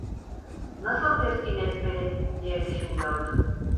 "Nasıl teskin etmeli?" diye düşünüyordu.